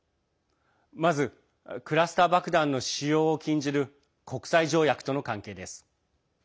まず、クラスター爆弾の使用を禁じる国際条約との関係です。